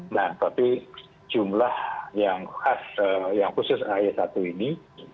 nah tapi jumlah yang khas yang khusus ay satu ini